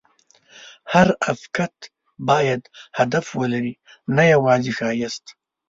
هر افکت باید هدف ولري، نه یوازې ښایست.